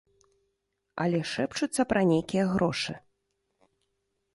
Але шэпчуцца пра нейкія грошы.